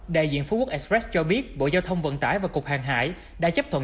đại diện phú quốc express cho biết bộ giao thông vận tải và cục hàng hải đã chấp thuận